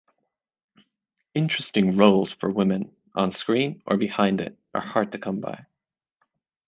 Interesting roles for women, on screen or behind it, are hard to come by.